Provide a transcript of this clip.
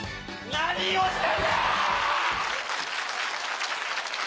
何をしてんねん！